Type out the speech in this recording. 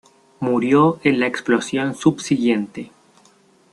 Murió en la explosión subsiguiente.